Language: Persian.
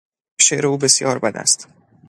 شعر او بسیار بد است.